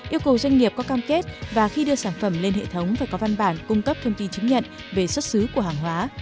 yêu cầu doanh nghiệp có cam kết và khi đưa sản phẩm lên hệ thống phải có văn bản cung cấp thông tin chứng nhận về xuất xứ của hàng hóa